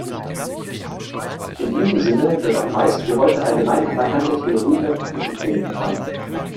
In diesem Sinne wird auch meist die heute allgemein anerkannte Theorie der Plattentektonik verstanden.